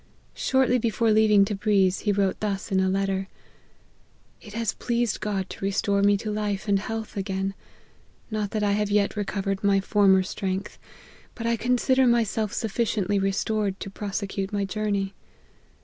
Shortly before leaving Tebriz, he wrote thus in a letter :" It has pleased God to restore me to life and health again : not that I have yet recovered my former strength, but I consider myself sufficiently restored to prosecute my journey.